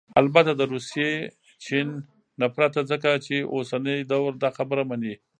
البته دروسي ، چين ... نه پرته ، ځكه چې اوسنى دور داخبره مني